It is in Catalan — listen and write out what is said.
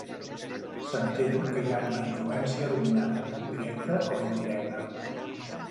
S'entén que hi ha una influència dominant, directa o indirecta.